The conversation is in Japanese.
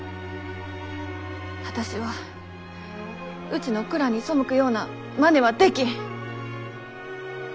私はうちの蔵に背くようなマネはできん。